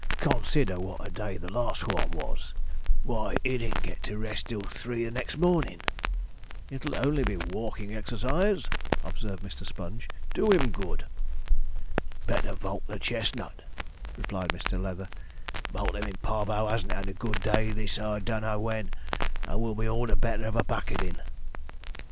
Consider wot a day the last one was; why, he didn't get to rest till three the next mornin'.' 'It'll only be walking exercise,' observed Mr. Sponge; 'do him good.' 'Better valk the chestnut,' replied Mr. Leather; 'Multum in Parvo hasn't 'ad a good day this I don't know wen, and will be all the better of a bucketin'.'